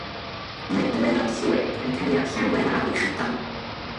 Mae gwiwerod llwyd yn cario llawer o afiechydon.